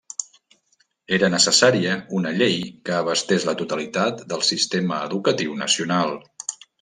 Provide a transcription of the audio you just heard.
Era necessària una llei que abastés la totalitat del sistema educatiu nacional.